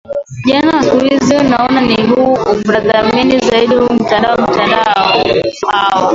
vijana wa siku hizi naona na huu ubrothermeni zaidi huu mtandao mtandao hawa